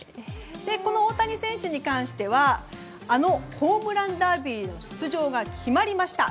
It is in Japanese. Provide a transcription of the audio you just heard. この大谷選手に関してはあのホームランダービーの出場が決まりました。